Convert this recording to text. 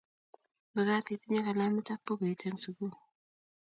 mekat itinye kalamit ak bukuit eng' sukul